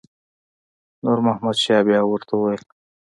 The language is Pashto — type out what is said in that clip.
نور محمد شاه بیا ورته وویل.